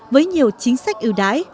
với nhiều chính sách ưu đãi